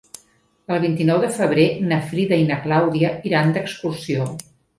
El vint-i-nou de febrer na Frida i na Clàudia iran d'excursió.